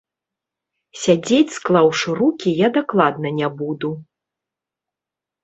Сядзець склаўшы рукі я дакладна не буду.